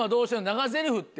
長ゼリフって。